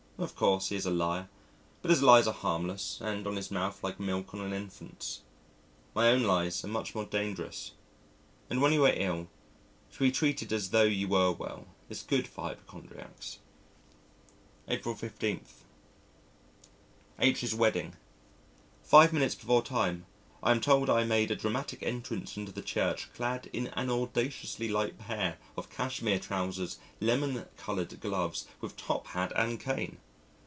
Of course, he is a liar, but his lies are harmless and on his mouth like milk on an infant's. My own lies are much more dangerous. And when you are ill, to be treated as tho' you were well is good for hypochondriacs. April 15. H 's wedding. Five minutes before time, I am told I made a dramatic entry into the church clad in an audaciously light pair of Cashmere trousers, lemon coloured gloves, with top hat and cane.